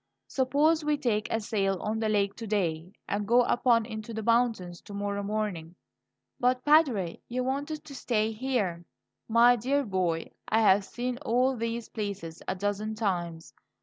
Suppose we take a sail on the lake to day, and go up into the mountains to morrow morning?" "But, Padre, you wanted to stay here?" "My dear boy, I have seen all these places a dozen times.